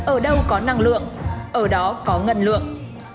ở đâu có năng lượng ở đó có ngân lượng